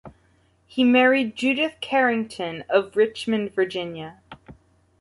He married Judith Carrington of Richmond, Virginia.